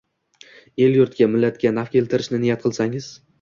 el-yurtga, millatga naf keltirishni niyat qilsangiz